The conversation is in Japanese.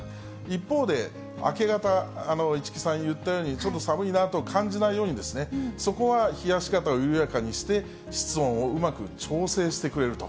一方で、明け方、市來さん言ったように、ちょっと寒いなと感じないように、そこは冷やし方を緩やかにして、室温をうまく調整してくれると。